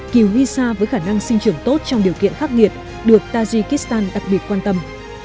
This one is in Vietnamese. kìu huy xa với khả năng sinh trưởng tốt trong điều kiện khắc nghiệt được tajikistan đặc biệt quan tâm